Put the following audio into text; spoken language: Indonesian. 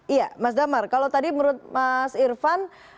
iya mas damar kalau tadi menurut mas irfan